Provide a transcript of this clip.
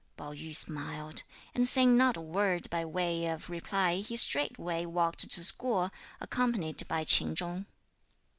Pao yü smiled, and saying not a word by way of reply he straightway walked to school, accompanied by Ch'in Chung.